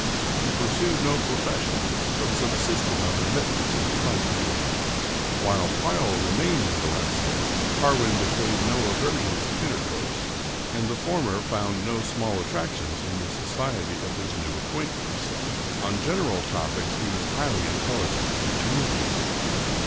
He pursued no profession, but subsisted on remittances from England. While Pleyel remained in Valencia, Carwin betrayed no aversion to intercourse, and the former found no small at tractions in the society of this new acquaintance. On gen eral topics he was highly intelligent and communicative.